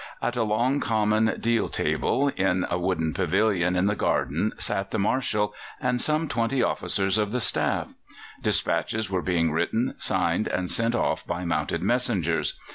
At a long common deal table in a wooden pavilion in the garden sat the Marshal and some twenty officers of the staff. Dispatches were being written, signed, and sent off by mounted messengers.